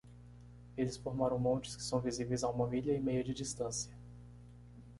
Eles formaram montes que são visíveis a uma milha e meia de distância.